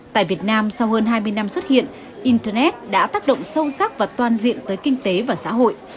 tại việt nam sau hơn hai mươi năm xuất hiện internet đã tác động sâu sắc và toàn diện tới kinh tế và xã hội